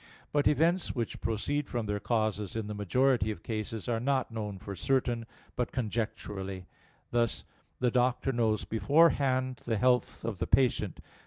But events which proceed from their causes in the majority of cases, are not known for certain, but conjecturally; thus the doctor knows beforehand the health of the patient.